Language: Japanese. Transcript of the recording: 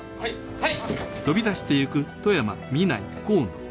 はい！